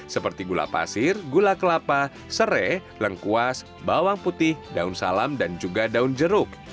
seperti gula pasir gula kelapa serai lengkuas bawang putih daun salam dan juga daun jeruk